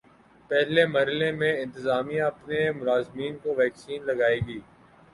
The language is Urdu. پہلے مرحلے میں انتظامیہ اپنے ملازمین کو ویکسین لگائے گی